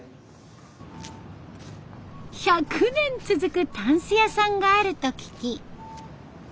１００年続くたんす屋さんがあると聞き。